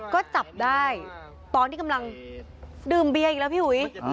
ก็จับได้ตอนที่กำลังดื่มเบียร์อีกแล้วพี่อุ๋ย